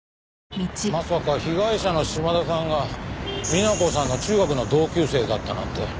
まさか被害者の島田さんが美奈子さんの中学の同級生だったなんて。